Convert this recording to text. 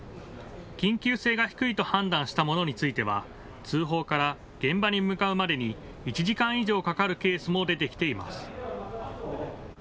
緊急性が低いと判断したものについては、通報から現場に向かうまでに１時間以上かかるケースも出てきています。